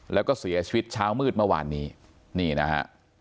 แล้วก็เสียชีวิตเช้ามืดเมื่อวานนี้นี่นะฮะ